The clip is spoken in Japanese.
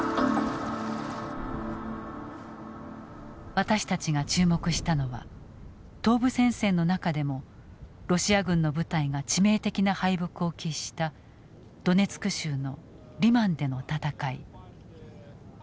私たちが注目したのは東部戦線の中でもロシア軍の部隊が致命的な敗北を喫したドネツク州のリマンでの戦い。